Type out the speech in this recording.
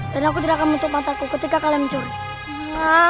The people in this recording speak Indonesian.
dan aku tidak akan mentup mataku ketika kalian mencuri